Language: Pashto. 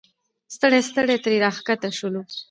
ستړي ستړي ترې راښکته شولو.